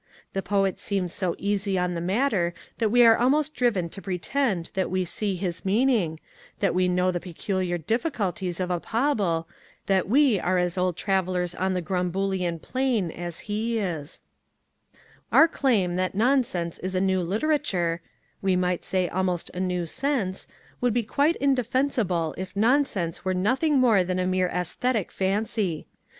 The poet seems so easy on the matter that we are almost driven to pretend that we see his meaning, that we know the peculiar diffi culties of a Pobble, that we are as old travel lers in the *' Gromboolian Plain " as he is. A De^fence of Nonsense Our claim that nonsense is a new litera ture (we might almost say a new sense) would be quite indefensible if nonsense were nothing more than a mere aesthetic fancy.